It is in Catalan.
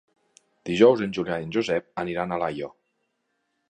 Dijous en Julià i en Josep aniran a Alaior.